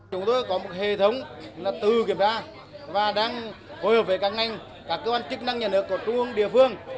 chúng tôi có một hệ thống là từ kiểm tra và đang hồi hợp với các ngành các cơ quan chức năng nhà nước của trung ương địa phương